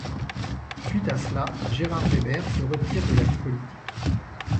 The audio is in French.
Suite à cela Gérard Weber se retire de la vie politique.